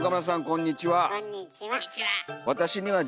こんにちは。